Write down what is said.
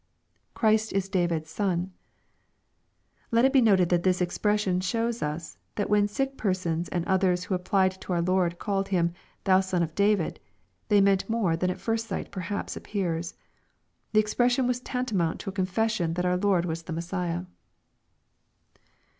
[Christ is David! s son.] Let it be noted, that this expression shows us, that when sick persons and others who applied to our Lord called Him, " Thou son of David," they meant more than at first sight perhaps appears. The expression was tantamount to a confession that our Lord was the Messiah.